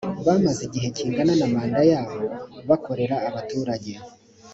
bamaze igihe kingana na manda yabo bakorera abaturage